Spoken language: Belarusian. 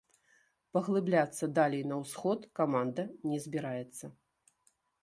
Паглыбляцца далей на ўсход каманда не збіраецца.